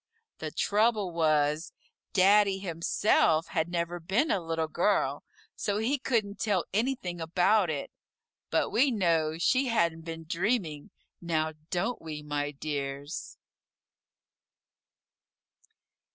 The trouble was, Daddy himself had never been a Little Girl, so he couldn't tell anything about it, but we know she hadn't been dreaming, now, don't we, my dears?